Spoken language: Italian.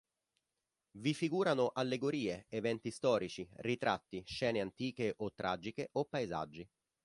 Vi figurano allegorie, eventi storici, ritratti, scene antiche o tragiche o paesaggi.